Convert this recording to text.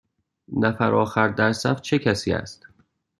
نفر آخر در صف چه کسی است؟